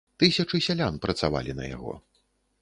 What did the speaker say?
Тысячы сялян працавалі на яго.